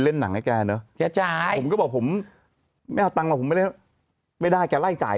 เล่นมาแล้วใช่มา